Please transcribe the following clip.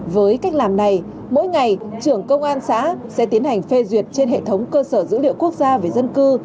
với cách làm này mỗi ngày trưởng công an xã sẽ tiến hành phê duyệt trên hệ thống cơ sở dữ liệu quốc gia về dân cư